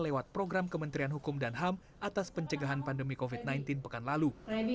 lewat program kementerian hukum dan ham atas pencegahan pandemi covid sembilan belas pekan lalu